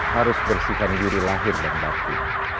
harus bersihkan diri lahir dan bakti